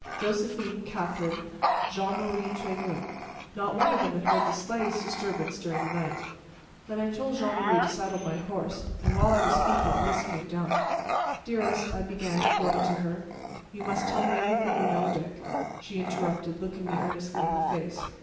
Josephine, Catherine, Jean Marie Tregunc, not one of them had heard the slightest disturbance during the night. Then I told Jean Marie to saddle my horse, and while I was speaking Lys came down. "Dearest," I began, going to her. "You must tell me everything you know, Dick," she interrupted, looking me earnestly in the face.